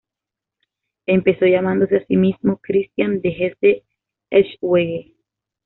Empezó llamándose a sí mismo "Cristián de Hesse-Eschwege".